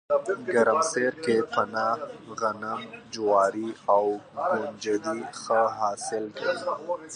ګرمسیر کې پنه، غنم، جواري او ُکنجدي ښه حاصل کوي